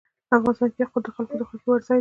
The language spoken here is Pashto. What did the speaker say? افغانستان کې یاقوت د خلکو د خوښې وړ ځای دی.